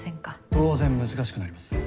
当然難しくなります。